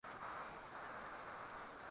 Una papara ka tarumbeta.